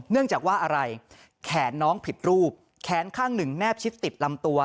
เนื่องจากว่าอะไรแขนน้องผิดรูปแขนข้างหนึ่งแนบชิดติดลำตัว